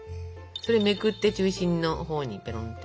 それめくって中心のほうにペロンって。